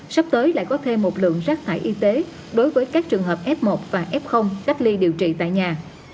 sắp tới lại có thêm một lượng rác thải y tế đối với các trường hợp f một và f cách ly điều trị tại nhà